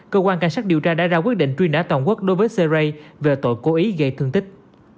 cơ quan cảnh sát điều tra đã ra quyết định truy nã toàn quốc đối với seri về tội cố ý gây thương tích